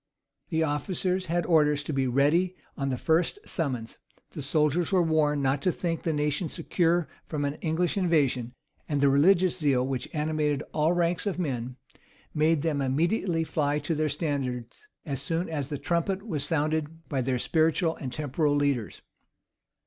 The officers had orders to be ready on the first summons: the soldiers were warned not to think the nation secure from an English invasion: and the religious zeal which animated all ranks of men, made them immediately fly to their standards as soon as the trumpet was sounded by their spiritual and temporal leaders.